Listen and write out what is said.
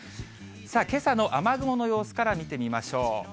けさの雨雲の様子から見てみましょう。